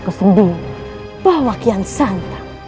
ku sendiri bahwa kian santam